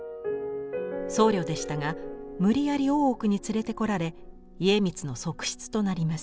僧侶でしたが無理やり大奥に連れてこられ家光の側室となります。